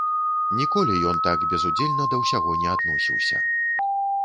Ніколі ён так безудзельна да ўсяго не адносіўся.